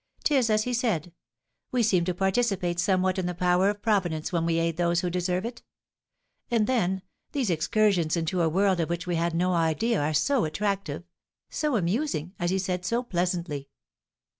'Tis as he said; we seem to participate somewhat in the power of Providence when we aid those who deserve it; and, then, these excursions into a world of which we had no idea are so attractive, so amusing, as he said so pleasantly!